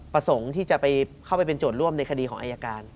ประสงค์ที่จะเข้าไปเป็นโจทย์ร่วมในคดีของอายการ